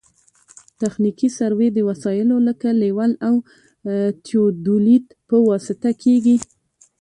تخنیکي سروې د وسایلو لکه لیول او تیودولیت په واسطه کیږي